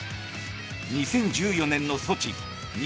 ２０１４年のソチ